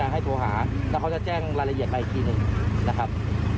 ให้โทรหาแล้วเขาจะแจ้งรายละเอียดมาอีกทีหนึ่งนะครับ